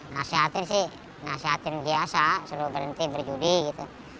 nasihatin sih nasihatin biasa suruh berhenti berjudi gitu